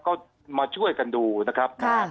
ก็มาช่วยกันดูนะครับ